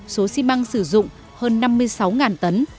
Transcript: số xi măng sử dụng hơn năm mươi sáu tấn